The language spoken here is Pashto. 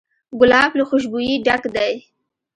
ګلاب له خوشبویۍ ډک دی.